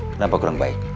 kenapa kurang baik